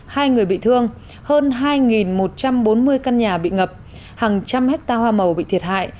hai người bị thương hơn hai một trăm bốn mươi căn nhà bị ngập hàng trăm hectare hoa màu bị thiệt hại